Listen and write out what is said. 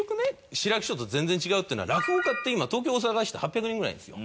志らく師匠と全然違うっていうのは落語家って今東京大阪合わせて８００人ぐらいいるんですよ。